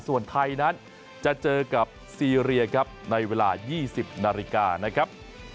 ส่วนไทยนั้นจะเจอกับซีเรียครับในเวลา๒๐นาฬิกานะครับ